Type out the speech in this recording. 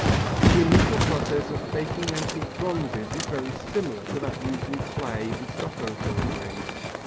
The initial process for faking antique bronzes is very similar to that used in clay and stucco forgeries.